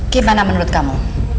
gimana menurut kamu